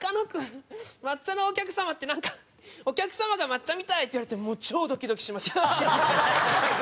“抹茶のお客様”ってなんかお客様が抹茶みたい」って言われてもう超ドキドキしました。